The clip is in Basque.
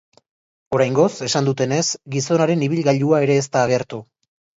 Oraingoz, esan dutenez, gizonaren ibilgailua ere ez da agertu.